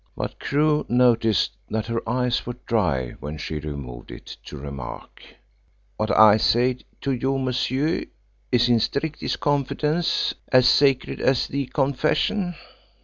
But Crewe noticed that her eyes were dry when she removed it to remark: "What I say to you, monsieur, is in strictest confidence as sacred as the confession."